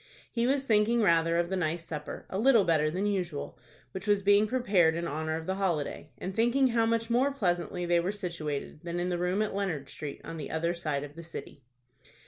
He was thinking rather of the nice supper,—a little better than usual,—which was being prepared in honor of the holiday, and thinking how much more pleasantly they were situated than in the room at Leonard Street, on the other side of the city.